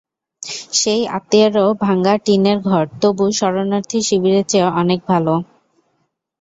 সেই আত্মীয়েরও ভাঙা টিনের ঘর, তবু শরণার্থী শিবিরের চেয়ে অনেক ভালো।